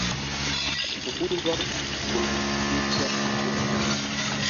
kufukuzwa kunashusha heshima ya mtu